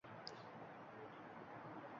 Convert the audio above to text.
Genrietta kiyim va poyabzalga pul sarflamagan.